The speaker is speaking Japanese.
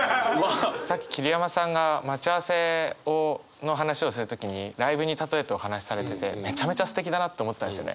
さっき桐山さんが待ち合わせの話をする時にライブに例えてお話しされててめちゃめちゃすてきだなと思ったんですよね。